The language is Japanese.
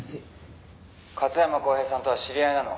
「勝山康平さんとは知り合いなの？